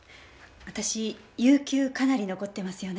私有休かなり残ってますよね。